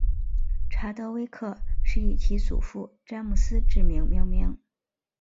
查德威克是以其祖父詹姆斯之名命名。